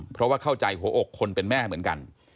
เพราะว่าเข้าใจหัวอกคนเป็นแม่เหมือนกัน